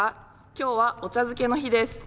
今日はお茶漬けの日です。